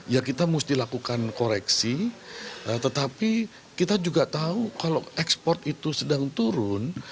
ya kita mesti lakukan koreksi tetapi kita juga tahu kalau ekspor itu sedang turun